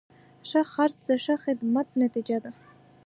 ښه خرڅ د ښه خدمت نتیجه ده.